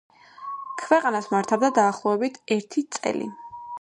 ქვეყანას მართავდა დაახლოებით ერთი წელი.